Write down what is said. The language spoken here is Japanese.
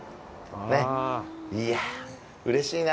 ねっ、いや、うれしいな。